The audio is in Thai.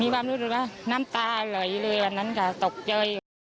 มีความรู้สึกอ่ะน้ำตาเหลยเลยเหมือนกันอ่ะตกเจย